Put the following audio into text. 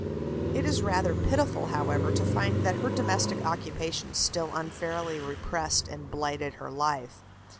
It is rather pitiful, however, to find that her domestic occupations still unfairly repressed and blighted her life.